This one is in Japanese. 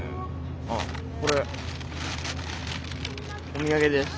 あっこれお土産です。